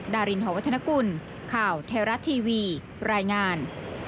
ดารินหอวัฒนกุลข่าวไทยรัฐทีวีรายงาน